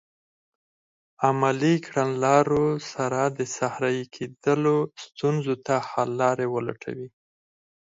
عملي کړنلارو سره د صحرایې کیدلو ستونزو ته حل لارې ولټوي.